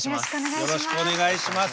よろしくお願いします。